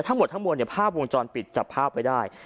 ทั้งหมดถ้างบนภาพวงจรปิดมั้ย